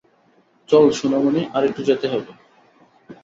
চল, সোনামণি, আরেকটু যেতে হবে।